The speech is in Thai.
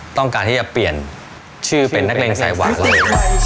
ต้องการที่จะเปลี่ยนชื่อเป็นนักเลงสายหวานเลย